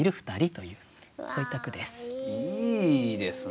いいですね。